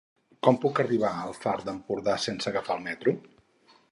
Com puc arribar al Far d'Empordà sense agafar el metro?